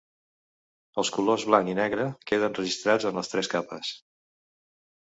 Els colors blanc i negre queden registrats en les tres capes.